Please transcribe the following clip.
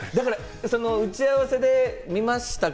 打ち合わせで、いましたか？